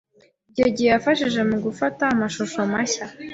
Icyo gihe yafashije mu gufata amashusho mashya